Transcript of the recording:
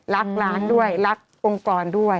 รักร้านด้วยรักองค์กรด้วย